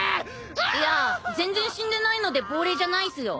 いや全然死んでないので亡霊じゃないっすよ。